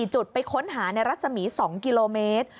จุดไปค้นหาในรัศมี๒กิโลเมตร